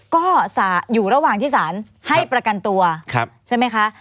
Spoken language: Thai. ก็อยู่ระหว่างที่สารให้ประกันตัวใช่ไหมคะ